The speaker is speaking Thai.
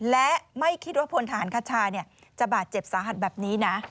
และไม่คิดว่าพลทหารคชาจะบาดเจ็บสาหัสแบบนี้นะ